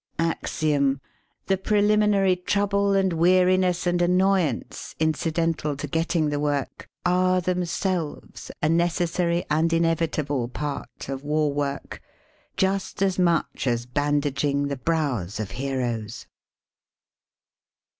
Axiom: The preliminary trouble and weari ness and annoyance incidental to getting the work 28 SELF AND SELF MANAGEMENT are themselves a necesBarj and inevitable part of war work, just as much as baodaging the brows of heroes.